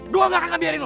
gue gak akan biarin lu